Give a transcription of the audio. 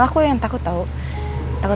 lain bapaknya hujan